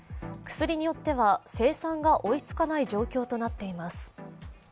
薬によっては生産が追いつかない状態となっています。